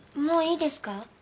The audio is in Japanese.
もういいですか？